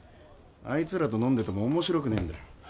あいつらと飲んでても面白くねえんだよ。